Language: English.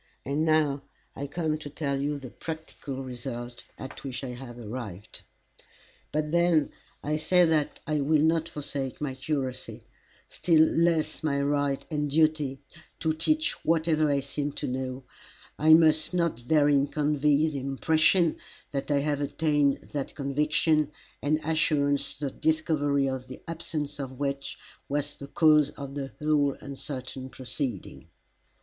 And now I come to tell you the practical result at which I have arrived. "But when I say that I will not forsake my curacy, still less my right and duty to teach whatever I seem to know, I must not therein convey the impression that I have attained that conviction and assurance the discovery of the absence of which was the cause of the whole uncertain proceeding.